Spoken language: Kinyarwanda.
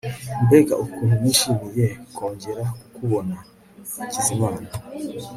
mbega ukuntu nishimiye kongera kukubona, hakizimana